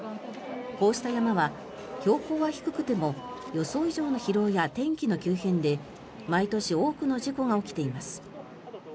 こうした山は標高は低くても予想以上の疲労や天気の急変で毎年多くの事故が起きています。